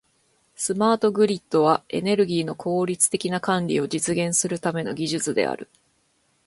スマートグリッドは、エネルギーの効率的な管理を実現するための技術である。